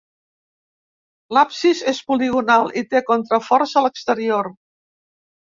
L'absis és poligonal i té contraforts a l'exterior.